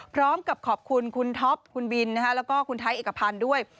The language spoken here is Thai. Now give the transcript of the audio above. พร้อมกับขอบคุณคุณท็อปคุณบินแล้วก็คุณไทยเอกพันธ์ด้วย